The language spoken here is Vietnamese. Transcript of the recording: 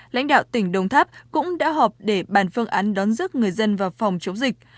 lãnh đạo tỉnh đồng tháp cũng đã họp để bàn phương án đón dứt người dân vào phòng chống dịch